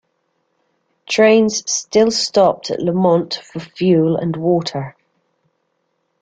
Trains still stopped at Lamont for fuel and water.